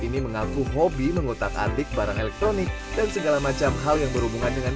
ini mengaku hobi mengotak antik barang elektronik dan segala macam hal yang berhubungan dengan